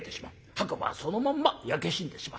白馬はそのまんま焼け死んでしまった。